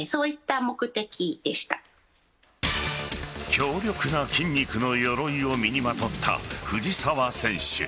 強力な筋肉の鎧を身にまとった藤澤選手。